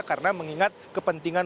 karena mengingat kepentingan jalan tol